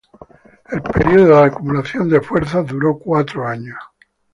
El periodo de acumulación de fuerzas duró cuatro años.